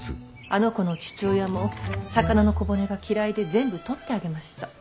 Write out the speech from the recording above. あの子の父親も魚の小骨が嫌いで全部取ってあげました。